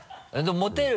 モテる？